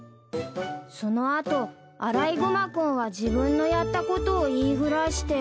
［その後アライグマ君は自分のやったことを言い触らして］